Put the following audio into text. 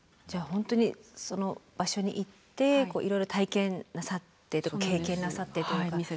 じゃあ本当にその場所に行っていろいろ体験なさって経験なさってというか。